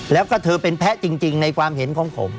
แล้วก็เธอเป็นแพ้จริงในความเห็นของผม